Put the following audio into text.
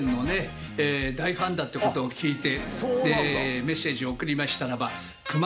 だってことを聞いてメッセージを送りました。